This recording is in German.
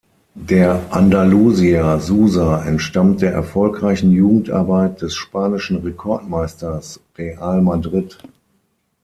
Der Andalusier Sousa entstammt der erfolgreichen Jugendarbeit des spanischen Rekordmeisters Real Madrid.